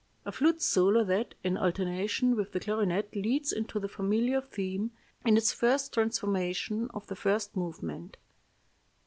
A flute solo that, in alternation with the clarinet, leads into the familiar theme, in its first transformation, of the first movement.